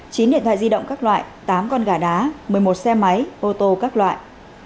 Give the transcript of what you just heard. chín điện thoại di động các loại tám con gà đá một mươi một xe máy ô tô các loại